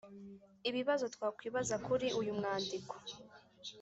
ibibazo twakwibaza kuri uyu mwandiko